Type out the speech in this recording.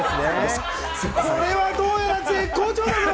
これはどうやら絶好調だぞ！